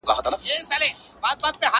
ښه په کټ کټ مي تدبير را سره خاندي,